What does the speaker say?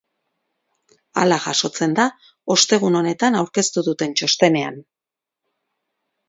Hala jasotzen da ostegun honetan aurkeztu duten txostenean.